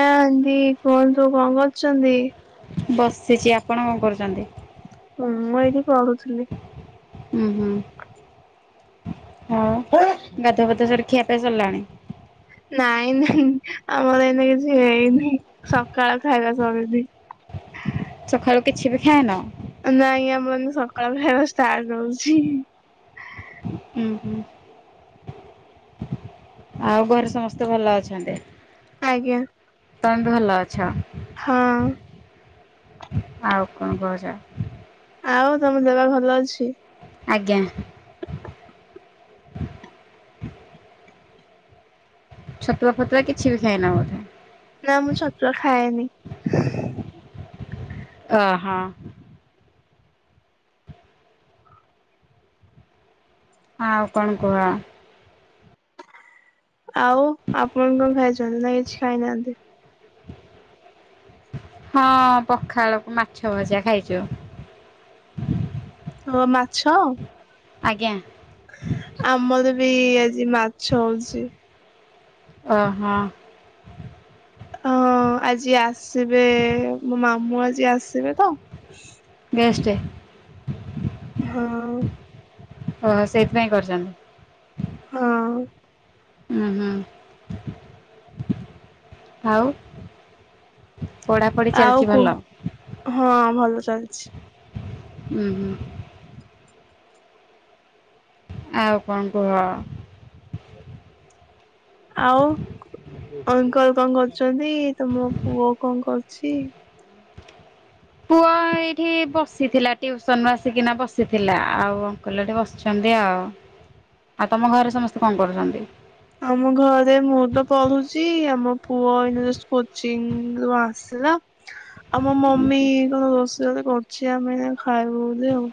ଏନ୍ତି କୁହନ୍ତୁ କଣ କରୁଚନ୍ତି। ସେ ଚି ଆପଣ କଣ କରୁଚନ୍ତି। ମୁଁ ଏଇଠି ପଢୁଥୁଲି। ହୁଁ ହୁଁ। ହଁ ପା ଗାଧୁଆ ପାଧୁଆ ସରି ଖିଆପିଆ ସରିଲାଣି? ନାଇଁ ନାଇଁ ଆମର ଏଇନା କିଛି ହେଇନି ସକାଳ ଖାଇବା ସରିନି। ସକାଳୁ କିଛି ବି ଖାଏନ? ନାଇଁ ଆମନ ସକାଳୁ ଖାଇବା ଷ୍ଟାର୍ଟ ହଉଛି। ଉଁ ହୁଁ ଆଉ ଘରେ ସମସ୍ତେ ଭଲ ଅଛନ୍ତି? ଆଜ୍ଞା। ତମେ ଭଲ ଅଛ। ହଁ। ଆଉ କଣ କହୁଚ? ଆଉ ତମ ଦେହପା ଭଲ ଅଛି? ଆଜ୍ଞା। ଛତୁଆ ଫତୁଆ କିଛି ବି ଖାଇନ ବୋଧେ? ନା ମୁଁ ଛତୁଆ ଖାଏନି। ଅ ହଁ। ଆଉ କଣ କୁହ? ଆଉ ଆପଣ କଣ ଖାଇଚନ୍ତି? ନା କିଛି ଖାଇନାହାନ୍ତି? ହଁ ପଖାଳ କୁ ମାଛ ଭଜା ଖାଇଚୁ। ଓ ମାଛ। ଆଜ୍ଞା। ଆମର ବି ଆଜି ମାଛ ହଉଚି। ଓ ହଁ। ହଁ ଆଜି ଆସିବେ ମୋ ମାମୁଁ ଆଜି ଆସିବେ ତ। ଗେଷ୍ଟ। ଆଉ ଓହୋ ସେଇଥିପାଇଁ କରିଚନ୍ତି। ହଁ। ହୁଁ ହୁଁ ଆଉ। ପଢ଼ାପଢ଼ି ଆଉ ଚାଲିଛି କୁ ଭଲ? ହଁ ଭଲ ଚାଲିଚି। ଉଁ ହୁଁ। ଆଉ କଣ କୁହ? ଆଉ ଅଙ୍କଲ କଣ କରୁଚନ୍ତି? ତମ ପୁଅ କଣ କ ଛି ହଁ ଏଇଠି ବସିଥିଲା ଟିଉସନରୁ ଆସିକିନା ବସିଥିଲା ଆଉ ଅଙ୍କଲ ଏଠି ବସିଛନ୍ତି ଆଉ। ଆଉ ତମ ଘରେ ସମସ୍ତେ କଣ କରୁଚନ୍ତି? ଆମ ଘରେ ମୁଁ ତ ପଢୁଛି ଆମ ପୁଅ ଏଇନା ଜଷ୍ଟ କୋଚିଙ୍ଗ ରୁ ଆସିଲା ଆଉ ମୋ ମମି କଣ ରୋ [unintelligible] କରୁଚି ଆମେ ଖାଇବୁ ବୋଲି ଆଉ।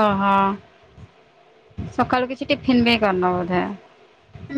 ଓହୋ ସକାଳୁ କିଛି ଟିଫିନ ବି କରିନ ବୋଧେ?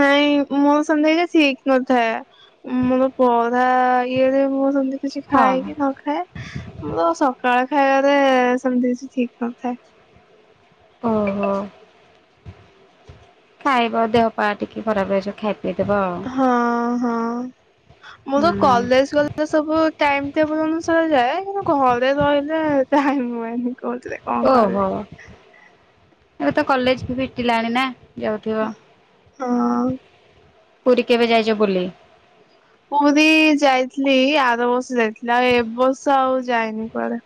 ନାଇଁ ମୋର ସେମିତି [unintelligible] ସିକ ନଥାଏ ମୋର ପଢା ଇଏରେ ମୁଁ ସେମିତି କିଛି ହଁ ଖାଏ କି ନ ଖାଏ ମୁଁ ତ ସକାଳେ ଖାଇବାରେ ସେମିତି କିଛି ଠିକ୍ ନଥାଏ। ଓହୋ ଖାଇବା ଦେହ ପା ଟିକେ ଖରାପ ହେଇଯିବ ଖାଇ ଦବ ହଁ ହଁ। ମୋର କଲେଜ ଗଲେ ସବୁ ଟାଇମ ଟେବଲ ଅନୁସାରେ ଯାଏ। କିନ୍ତୁ ଘରେ ରହିଲେ ଟାଇମ ହୁଏନି କଉଥିରେ କଣ ଓହୋ କରିବି। ଏବେ ତ କଲେଜ ବିକିଲାଣି ନା? ଯାଉଥିବ। ହଁ। ପୁରୀ କେବେ ଯାଇଛ ବୁଲି? ପୁରୀ ଯାଇଥିଲି ଆର ବର୍ଷ ଯାଇଥିଲି ଆଉ ଏ ବର୍ଷ ଆଉ ଯାଇନି କୁଆଡେ।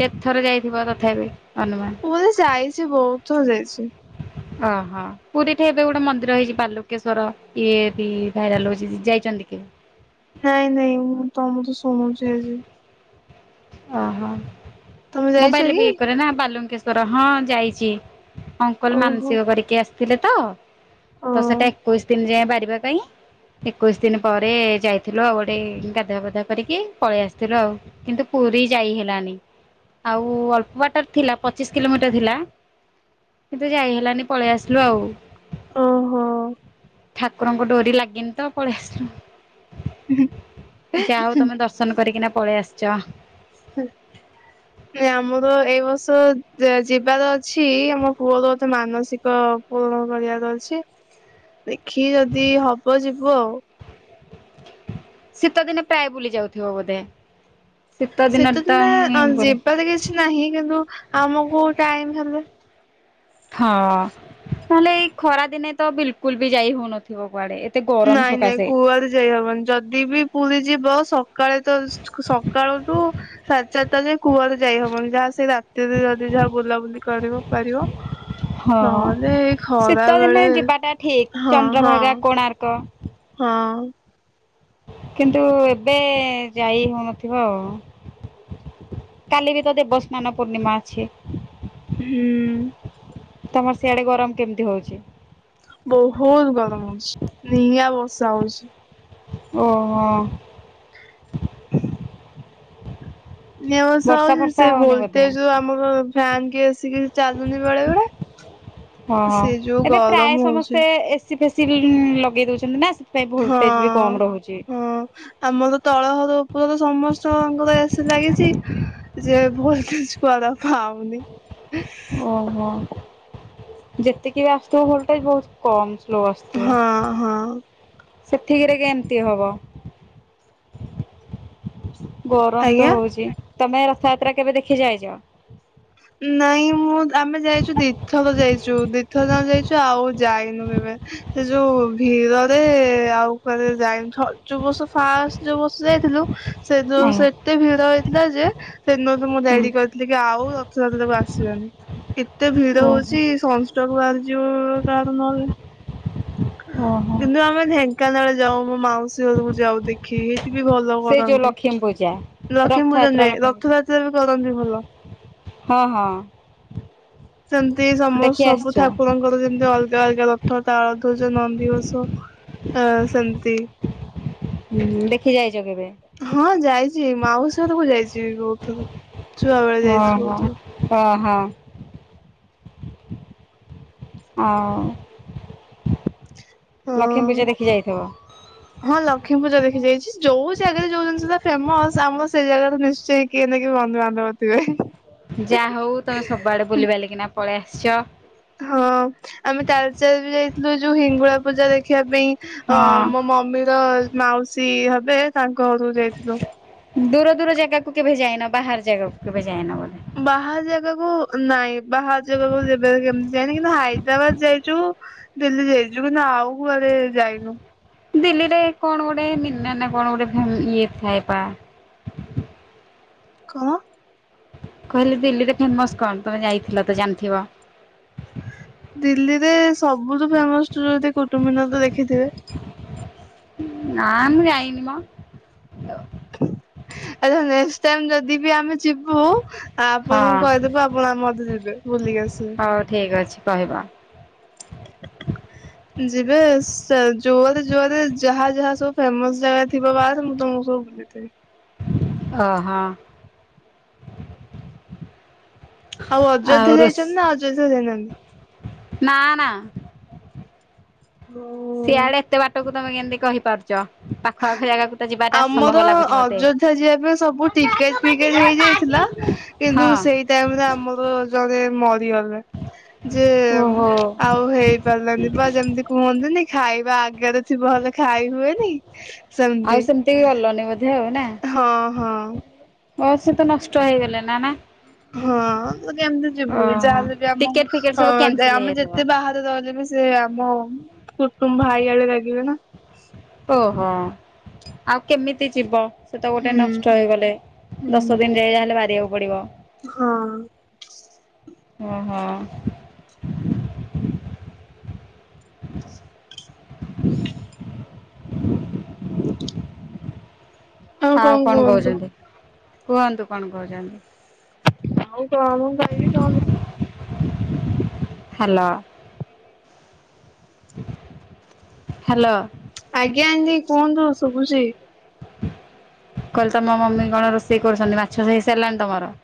କେତେ ଥର ଯାଇଥିବ ତଥାପି? ଅନୁମାନ? ପୁରୀ ଯାଇଛି ବହୁତ୍ ଥର ଯାଇଛି। ଓହୋ ପୁରୀଠି ଏବେ ଗୋଟେ ମନ୍ଦିର ହେଇଛି ବାଲୁକେଶ୍ଵର ଇଏ ବି ଭାଇରାଲ ହଉଛି ଯାଇଛନ୍ତି। [inaudible] ନାଇଁ-ନାଇଁ ମୁଁ ତମଠୁ ଶୁଣୁଛି ଆଜି। ଓହୋ ତମେ ଯାଇଛ ମୋବାଇଲ ବି କି? କରେ ନା ବାଲୁଙ୍କେଶ୍ଵର ହଁ ଯାଇଛି। ଅଙ୍କଲ ଓହୋ ମାନସିକ କରିକି ଆସିଥିଲେ ଓ ତ-ତ ସେଟା ଏକୋଇଶି ଦିନ ଯାଏ ବାରି ପାଇଁ ଏକୋଇଶି ଦିନ ପରେ ଯାଇଥିଲୁ ଆଉ ଗୋଟେ ଗାଧୁଆ ପାଧୁଆ କରିକି ପଳେଇ ଆସିଥିଲୁ ଆଉ କିନ୍ତୁ ପୁରୀ ଯାଇ ହେଲାନି ଆଉ ଅଳ୍ପ ବାଟରେ ଥିଲା ପଚିଶ୍ କିଲୋମିଟର ଥିଲା। କିନ୍ତୁ ଯାଇ ହେଲାନି ପଳେଇ ଆସିଲୁ ଆଉ। ଓ ହୋ। ଠାକୁରଙ୍କ ଡୋରି ଲାଗିନି ତ ପଳେଇ ଆସିଲୁ ଯାହା ହଉ ତମେ ଦର୍ଶନ କରିକିନା ପଳେଇ ଆସଚ। ହୁଁ। ଏ ଆମର ଏଇ ବର୍ଷ ଯିବାର ଅଛି ଆମ ପୁଅର ଗଟେ ମାନସିକ ସମ୍ପୁର୍ଣ୍ଣ କରିବାର ଅଛି ଦେଖି ଯଦି ହବ ଯିବୁ ଆଉ। ଶୀତ ଦିନେ ପ୍ରାୟେ ବୁଲି ଯାଉଥିବ ବୋଧେ। ଶୀତ ଦିନରେ ତ ଶୀତଦିନେ ହିଁ ବୁଲି ଯିବାର କିଛି ନାହିଁ କିନ୍ତୁ ଆମକୁ ଟାଇମ ହେଲେ ହଁ ତାହେଲେ ଏଇ ଖରା ଦିନେ ତ ବିଲକୁଲ ବି ଯାଇ ହଉନଥିବ କୁଆଡେ। ଏତେ ଗରମ ନାଇଁ-ନାଇଁ ସକାଶେ। କୁଆଡେ ଯାଇ ହବନି ଯଦି ବି ପୁରୀ ଯିବ ସକାଳେ ତ ସକାଳ ରୁ ସାଢେ ଚାରଟା ଯାଏ। କୂଆଡେ ଯାଇ ହବନି ଯାହା ସେଇ ରାତିରେ ଯଦି ଯାହା ବୁଲାବୁଲି କରିବା ପାରିବ। ହଁ ନହେଲେ ଏଇ ଶୀତ ଖରା ଦିନେ ବେଳେ ଯିବାଟା ଠିକ ହଁ-ହଁ। ଚନ୍ଦ୍ରଭାଗା କୋଣାର୍କ। ହଁ। କିନ୍ତୁ ଏବେ ଯାଇ ହଉନଥିବ ଆଉ। କାଲି ବି ତ ଦେବସ୍ନାନ ପୂର୍ଣ୍ଣିମା ଅଛି। ହୁଁ। ତମର ସିଆଡେ ଗରମ କେମିତି ହଉଛି? ବହୁତ୍ ଗରମ ହଉଛି ନିଆଁ ବର୍ଷା ହଉଚି। ଓହୋ। ନିଆଁ ବର୍ଷା ହଉଛି ଫର୍ଷା ସେ ହଉନି ବୋଧେ ଭୋଲଟେଜ୍ ଆମର ଫ୍ୟାନ୍ କେସ୍ ଏ ସି କିଛି ଚାଲୁନି ବଳେ ବଳେ। ହଁ-ହଁ ଏବେ ପ୍ରାୟେ ସମସ୍ତେ ଏ ସି ଫେସି ଲଗେଇ ଦଉଛନ୍ତି ନା। ସେଥିପାଇଁ ଭୋଲଟେଜ ବି କମ ରହୁଛି। ହଁ-ହଁ ଆମର ତ-ତଳ ହ ତ ଉପରେ ସମସ୍ତଙ୍କର ଏ ସି ଲାଗିଛି ଯେ ଭୋଲଟେଜ୍ କୁଆଡୁ ହଉନି। ଓହୋ ଯେତିକି ବି ଆସୁଥିବ ଭୋଲଟେଜ୍ ବହୁତ କମ୍ ସ୍ଲୋ ଆସୁଥିବ। ହଁ ହଁ ସେଥିକିରେ କେମିତି ହବ? ଗରମ ତ ଆଜ୍ଞା ହଉଛି ତମେ ରଥଯାତ୍ରା କେବେ ଦେଖି ଯାଇଚ? ନାଇଁ ମୁଁ ଆମେ ଯାଇଛୁ ଦିଥର ଯାଇଛୁ। ଯୋ ଦିଥର ଯାଁଙ୍କ ଯାଇଛୁ ଆଉ ଯାଇନୁ କେବେ ସେ ଯୋଉ ଭିଡରେ ଆଉ କୁଆଡେ [inaudible] ଫାଷ୍ଟ ଯୋଉ ବସ ଯାଇଥିଲୁ ସେଦିନ ଆଜ୍ଞା। ସେ ଏତେ ଭିଡ ହେଇଥିଲା ଯେ ସେଦିନ ତ ମୋ ହୁଁ ଡାଡି କହିଥିଲି କି ଆଉ ତାକୁ ଆସିବାନି ଏତେ ଭିଡ ଓହୋ ହଉଛି ସନ୍ ଷ୍ଟ୍ରୋକ୍ ଭାରୁଚି। ଯୋଉ କାର ନହେଲେ ଓହୋ କିନ୍ତୁ ଆମେ ଢେଙ୍କାନାଳ ଯାଉ ଆମ ମାଉସୀ ଘରକୁ ଯାଉ ଦେଖିକି। ବି ଭଲ ସେ ଯୋଉ କରନ୍ତି। ଲକ୍ଷ୍ମୀ ପୂଜା ଲକ୍ଷ୍ମୀପୂଜା ରଥଯାତ୍ରା ନୁହେଁ ଲକ୍ଷ୍ମୀ ପୂଜା ରଥଯାତ୍ରା ବି କରନ୍ତି ଭଲ। ହଁ ହଁ। ସେମତି ସମ ଦେଖି ସବୁ ଆସିଛ ଠାକୁରଙ୍କର ଯେମିତି ଅଲଗା ଅଲଗା ରଥ। ତାଳ [unintelligible] ନନ୍ଦିଘୋଷ ଏ ସେମିତି। ହୁଁ ଦେଖି ଯାଇଚ କେବେ? ହଁ ଯାଇଛି ମାଉସୀ ଘରକୁ ଯାଇଛି ବହୁତ୍ ଥର। ଛୁଆବେଳେ ଯାଇଛି ବହୁତୁ। ହଁ। ହଁ ଉ। ହଁ ହଁ ଲକ୍ଷ୍ମୀପୂଜା ଦେଖି ଯାଇଛି। ଯୋଉ ଜାଗାରେ ଯୋଉ ଜିନିଷ ଟା ଫେମସ୍ ଆମ ସେଇ ଜାଗାରେ ନିଶ୍ଚୟ କିଏ ନେ କିଏ ବନ୍ଧୁବାନ୍ଧବ ଥିବେ। ଯାହା ହଉ ତମେ ସବୁଆଡେ ବୁଲିିବାଲିକିନା ପଳେଇ ଆସିଛ। ହଁ ଆମେ ତାଳଚେର ବି ଯାଇଥିଲୁ ଯୋଉ ହିଙ୍ଗୁଳାପୂଜା ଦେଖିବା ପାଇଁ ଅ ହଁ ମୋ ମମିର ମାଉସୀ ହେ ବେ ତାଙ୍କ ଘରୁକୁ ଯାଇଥିଲୁ। ଦୂର ଦୂର ଜାଗାକୁ କେବେ ଯାଇନ। ବାହାର ଜାଗାକୁ କେବେ ଯାଇନ ବୋଧେ? ବାହାର ଜାଗାକୁ ନାଇଁ ବାହାର ଜାଗାକୁ କେବେ କେମିତି ଯାଇନି କିନ୍ତୁ ହାଇଦ୍ରାବାଦ୍ ଯାଇଛୁ। ଦିଲ୍ଲୀ ଯାଇଛୁ। କିନ୍ତୁ ଆଉ କୁଆଡେ ଯାଇନୁ। ଦିଲ୍ଲୀରେ କଣ ଗୋଟେ ନି ନା କଣ ଗୋଟେ ଇଏ ଥାଏ ପା। କଁ। କହିଲି ଦିଲ୍ଲୀରେ ଫେମସ୍ କଣ? ତମେ ଯାଇଥିଲ ତ ଜାଣିଥିବ। ଦିଲ୍ଲୀରେ ସବୁଠୁ ଫେମସ୍ ଯଦି କୁଟୁମିନାର ତ ଦେଖିଥିବେ। ନା ମୁଁ ଯାଇନି ମ। ଆଛା ନେକ୍ସଟ୍ ଟାଇମ୍ ଯଦି ବି ଆମେ ଯିବୁ ହଁ ଆପଣଙ୍କୁ କହିଦେବୁ ଆପଣ ଆମ ମତେ ଯିବେ ବୁଲିକି ଆସିବେ। କହିବା। [inaudible] ଯିବେ ସେ ଜୋଆରେ ଜୋଆରେ ଯାହା ଯାହା ସବୁ ଫେମସ୍ ଜାଗା ଥିବ। ବାହାରେ ମୁଁ ତମକୁ ସବୁ ବୁଲେଇ ଦେବି। ଅ ହ। ଆଉ ଅଯୋଧ୍ୟା ଯାଇଛନ୍ତି ନା ଅଯୋଧ୍ୟା ଯାଇ ନାହାଁନ୍ତି। ନା ନା। ସିଆଡେ ଏତେ ବାଟକୁ ତମେ କେମିତି କହିପାରୁଛ। ପାଖ ଆଖ ଜାଗାକୁ ତ ଯିବାଟା ଅସମ୍ଭବ ଆମର ଲାଗୁଛି ମତେ। ଅଯୋଧ୍ୟା ଯିବା ପାଇଁ ସବୁ ଟିକେଟ୍ ଫିକେଟ୍ ହେଇଯାଇଥିଲା। କିନ୍ତୁ ହଁ ସେଇ ଟାଇମ୍ ରେ ଆମର ଜଣେ ମରିଗଲେ। ଯେ ଓହୋ ଆଉ ହେଇ ପାରିଲାନି ବା ଯେମିତି କୁହନ୍ତିନି। ଖାଇବା ଆଗରେ ଥିବ ହେଲେ ଖାଇ ହୁଏନି। ଆଉ ସେମିତି ବି ଗଲନି ବୋଧେ ଆଉ ନା। ହଁ ହଁ। ହଁ ସେ ତ ନଷ୍ଟ ହେଇଗଲେ। ନା ନା। ହଁ ତ କେମତି ଯିବୁ। ଓହୋ ଯାହାହେଲେ ବି ଆମ ଟିକେଟ ଫିକେଟ ସବୁ କ୍ୟାନସେଲ ଆମେ ହେଇଯାଇଥିବ ଯେତେ ବାହାରେ ରହିଲେ ବି ସେ ଆ ଆମ କୁଟୁମ୍ବ ଭାଇ ଆଡେ ଲାଗିବେ ନା। ଓହୋ ଆଉ କେମିତି ଯିବ? ସେ ତ ଗୋଟେ ହୁଁ ନଷ୍ଟ ହେଇଗଲେ। ହୁଁ। ଦଶ ଦିନ ଯାଏ ଯା ହେଲେ ବାରିବାକୁ ପଡିବ। ହଁ। ଓହୋ [inaudible] ଆଉ କଣ କହୁଛନ୍ତି। କୁହଁନ୍ତୁ କଣ କହୁଛନ୍ତି। ଆଉ କଣ କହିବି? କଣ? ହ୍ୟାଲୋ। ହ୍ୟାଲୋ। ଆଜ୍ଞା ଆଣ୍ଟି କୁହନ୍ତୁ ଶୁଭୁଛି। କହିଲେ ତମ ମମି କଣ ରୋଷେଇ କରୁଛନ୍ତି ମାଛ ହେଇ ସାରିଲାଣି ତମର।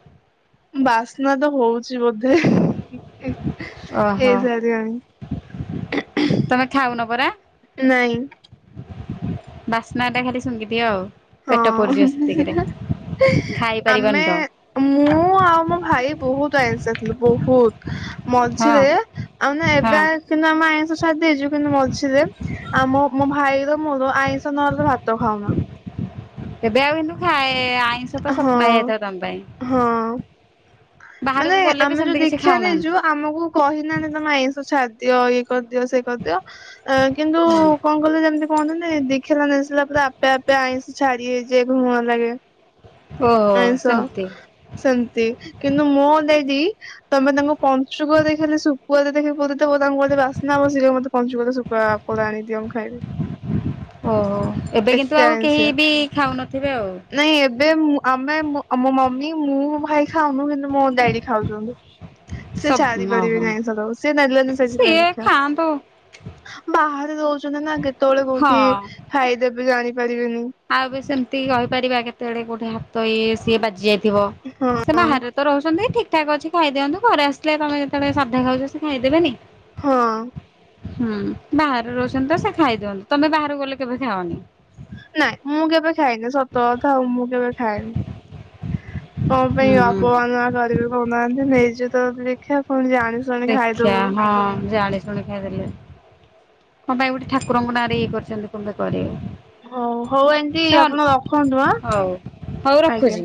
ବାସ୍ନା ତ ହଉଛି ବୋଧେ। ଓହୋ। ହେଇ ସାରିବଣି। ତମେ ଖାଉନ ପରା। ନାଇଁ ବାସ୍ନା ଟା ଖାଲି ଶୁଙ୍ଘିଦିଅ ଆଉ ପେଟ ହଁ। ପୁରିଯିବ ସେତିକିରେ। ଖାଇପାରିବନି ଆମେ ତ ମୁଁ ଆଉ ମୋ ଭାଇ। ବହୁତ ଆଇନ୍ସ ଆଥିଲୁ ବହୁତ ହଁ ମଝିରେ ଆଉ ମାନେ ହଁ ଏବେନ୍ତୁ ଆମ ଆଇ ଛାଡି ଦେଇଛୁ କିନ୍ତୁ ମଝିରେ ଆମ ମୋ ଭାଇର ମୋର ଆଇଁଷ ନରେ ଭାତ ଖାଉନ। ତେବେ ଆଉ ନୁ ଖାଏ ଆଁ ହଁ ହଁ। ମାନେ ବାହାରକୁ ଗଲେ ବି ଆମେ ଯୋଉ ସେମିତି କିଛି ଖାଉନାହାନ୍ତି। ଦିକ୍ଷାନେଇଚୁ ଆମକୁ କହିନାନ ତମେ ଆଁଇ ଛାଦିଅ ଇଏ କରିଦିଅ ସେଇ କରିଦିଅ କିନ୍ତୁ କଣ କହିଲ ଯେମିତି କୁହନ। ଦେଖିଲା ନସିଲା ପୁରା ଆପେ ଆପେ ଆଇଁଷି ଛାଡି ହେଇଯଏ ଘୃଣା ଲାଗେ। ଓହୋ ଆଇଁଷ ସେମିତି ସେମତି କିନ୍ତୁ ମୁଁ ଯଦି ତମେ ତାଙ୍କୁ। ପଞ୍ଚୁକ ଦେଖଲେ ଶୁଖୁଆ ଦେଖ। ବୋ ତାଙ୍କୁ ମୋ ବାସ୍ନା ଆ ସି ମତେ ପଞ୍ଚିଗଲେ ଶୁଖା ଫୋଳ ଆଣିଦିଅ। ଓହୋ ଏବେ କିନ୍ତୁ ଏତେ ଆଉ କେହି ଆଇଁଷିଆ। ବି ଖାଉନଥିବେ ଆଉ। ନାଇଁ ଏବେ ଆମେ ମୋ ମମି ମୁଁ ଭାଇ ଖାଉନୁ କିନ୍ତୁ ମୋ ଡାଡି ଖାଉଛନ୍ତି। ସେ ସବୁ ଛାରି ପାରିବେ ଓହୋ ନାଇଁ ସ ସେ ନଲେନ ସେଥିପାଇଁ ସିଏ ଦୀକ୍ଷା। ଖାଆନ୍ତୁ ବାହାରେ ରଉଛନ୍ତି ନା କେତେବେଳେ ହଁ। କୋଉଠି ଖାଇଦେବେ। ବି ଜାଣି ପାରିବେନି। ଆଉ ବି ସେମିତି କହିପାରିବା କେତେବେଳେ ଗୋଉଟେ ହାତ ଇ ସିଏ ବାଜି ଯାଇଥିବ ହଁ ସେ ବାହାରେ ତ ରହୁଛନ୍ତି ଠିକ। ଠିକଠକ ଅଛି ଖାଇଦିନ୍ତୁ ଘରେ ଆସିଲେ ତମେ ଯେତେବେଳେ ସାଧା ଖାଉଛ ସେ ଖାଇଦେବେନି। ହଁ। ହୁଁ ବାହାରେ ରହୁଛନ୍ତି ତ ସେ ଖାଇ ଦିଅନ୍ତୁ ତମେ ବାହାରୁକୁ ଗଲେ କେବେ ଖାଅନି। ନାଇଁ ମୁଁ କେବେ ଖାଇଏନି ସତ କଥା ଆଉ ମୁଁ କେବେ ଖାଏନି। କଣ ହୁଁ ପାଇଁ ହୁଁ ଅପମାନ କରିବି କହୁନାହାନ୍ତି ନେଇଛୁ ତ ଦୀକ୍ଷା କଣ ଜାଣି। ଶୁଣି ଦିକ୍ଷା ଖାଇଦବୁ। ହଁ ଜାଣିଛ। ଜଳଖିଆ ଦେଲେ କଣ ପାଇଁ ଗୋଟେ ଠାକୁରଙ୍କ ନାଁରେ ଇଏ କରିଛନ୍ତି କେ କରିଏ। ହଉ ହଉ ଆପଣ ରଖନ୍ତୁ ଆ ହଉ ହଉ ରଖୁଛି। ଆଜ୍ଞା।